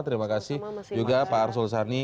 terima kasih juga pak arsul sani